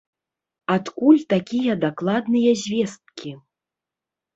Адкуль такія дакладныя звесткі?